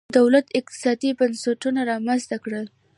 دولت اقتصادي بنسټونه رامنځته کړل.